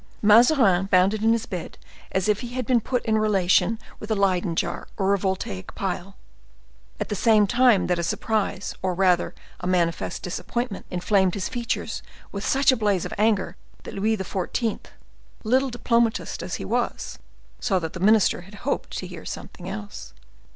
Mazarin bounded in his bed as if he had been put in relation with a Leyden jar or a voltaic pile, at the same time that a surprise, or rather a manifest disappointment, inflamed his features with such a blaze of anger, that Louis XIV., little diplomatist as he was, saw that the minister had hoped to hear something else.